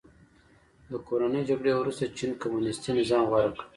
د کورنۍ جګړې وروسته چین کمونیستي نظام غوره کړ.